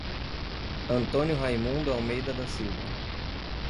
Antônio Raimundo Almeida da Silva